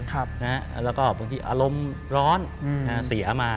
แล้วก็บางทีอารมณ์ร้อนเสียมา